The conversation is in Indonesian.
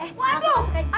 eh masuk masuk aja